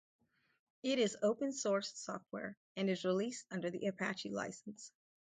It is open-source software, and is released under the Apache License.